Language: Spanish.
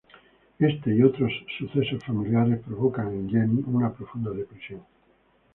Este y otros eventos familiares provocan a Jenni una profunda depresión.